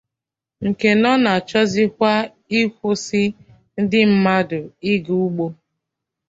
nke nà ọ na-achọzịkwa ịkwụsị ndị mmadụ ịga ugbo